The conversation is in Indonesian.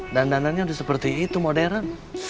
dan danannya udah seperti itu modern